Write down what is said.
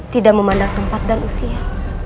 tidak memandang tempat dan usia